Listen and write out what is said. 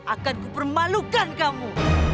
akan kupermalukan kamu